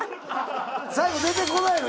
最後出てこないの？